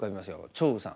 張栩さん。